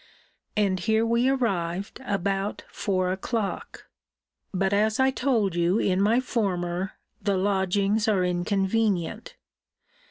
And here we arrived about four o'clock. But, as I told you in my former, the lodgings are inconvenient.